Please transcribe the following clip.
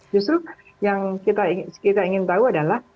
justru yang kita ingin tahu adalah